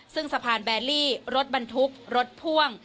ซึ่งสะพานแบลลี่รถบรรทุกรถพ่วง